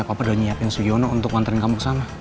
papa udah nyiapin suyono untuk nganterin kamu kesana